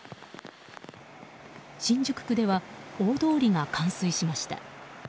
新宿区では大通りが冠水しました。